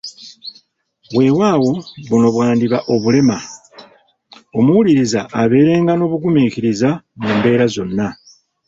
Weewaawo buno bwandiba obulema ,omuwuliriza abeerenga n’obugumiikiriza mu mbeera zonna .